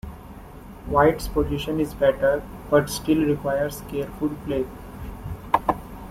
White's position is better, but still requires careful play.